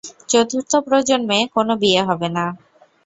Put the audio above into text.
চতুর্থ প্রজন্মে, কোনও বিয়ে হবে না।